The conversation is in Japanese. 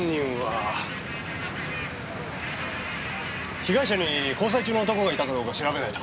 被害者に交際中の男がいたかどうか調べないと。